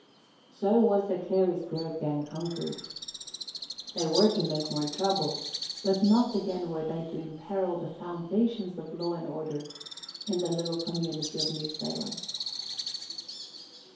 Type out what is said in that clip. '" So the Clary's Grove gang was conquered. They were to make more trouble but not again were they to imperil the foundations of law and order in the little community of New Salem.